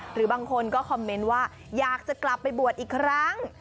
หรือบางคนก็คอมเมนต์ว่าอยากจะกลับไปบวชอีกครั้ง